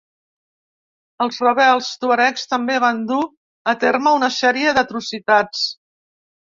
Els rebels tuaregs també van dur a terme una sèrie d'atrocitats.